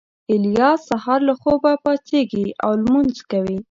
الیاس سهار له خوبه پاڅېږي او لمونځ کوي